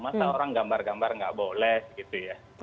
masa orang gambar gambar nggak boleh gitu ya